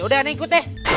yaudah ikut ya